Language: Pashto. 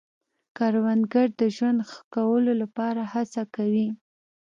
کروندګر د ژوند ښه کولو لپاره هڅه کوي